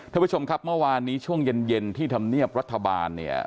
ท่านผู้ชมครับเมื่อวานนี้ช่วงเย็นที่ธรรมเนียบรัฐบาลเนี่ย